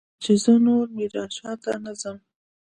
چې زه نور ميرانشاه ته نه ځم.